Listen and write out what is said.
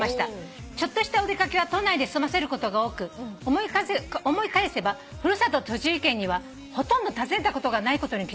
「ちょっとしたお出掛けは都内で済ませることが多く思い返せば古里栃木県にはほとんど訪ねたことがないことに気付きました」